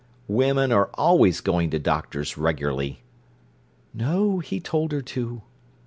"Women are always going to doctors regularly." "No. He told her to."